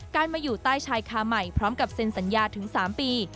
การมาอยู่ใต้ชายคาใหม่พร้อมกับเซ็นสัญญาถึง๓ปี